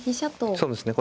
そうですね。